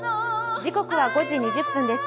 時刻は５時２０分です。